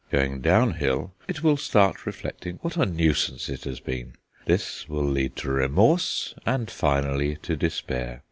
Going downhill it will start reflecting what a nuisance it has been. This will lead to remorse, and finally to despair.